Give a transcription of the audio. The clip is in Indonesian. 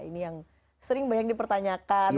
ini yang sering banyak dipertanyakan